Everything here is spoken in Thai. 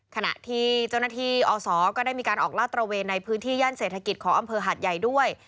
ขณะที่เจ้าหน้าที่อศก็ได้มีการออกลาดตระเวนในพื้นที่ย่านเศรษฐกิจของอำเภอหาดใหญ่ด้วย